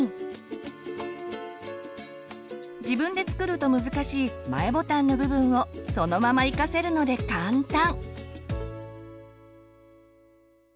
自分で作ると難しい前ボタンの部分をそのまま生かせるので簡単！